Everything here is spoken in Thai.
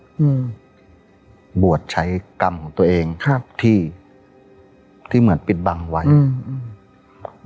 อืมบวชใช้กรรมของตัวเองครับที่ที่เหมือนปิดบังไว้อืม